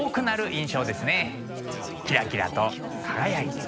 キラキラと輝いて。